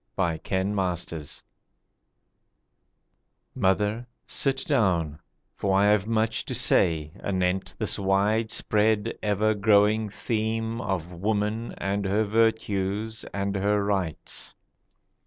A SON SPEAKS MOTHER, sit down, for I have much to say Anent this widespread ever growing theme Of woman and her virtues and her rights.